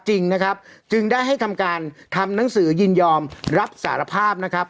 จริงนะครับจึงได้ให้ทำการทำหนังสือยินยอมรับสารภาพนะครับ